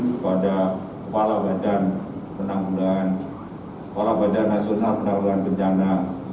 kepada kepala badan penanggulan kepala badan nasional penanggulan bencana